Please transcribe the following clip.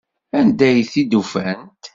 Anda ay t-id-ufant?